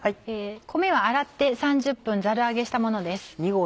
米は洗って３０分ザル上げしたものです。